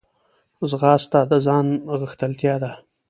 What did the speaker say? ځغاسته د ځان غښتلتیا ده